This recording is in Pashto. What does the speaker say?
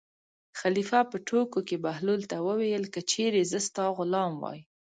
خلیفه په ټوکو کې بهلول ته وویل: که چېرې زه ستا غلام وای.